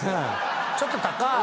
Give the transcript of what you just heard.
ちょっと高い！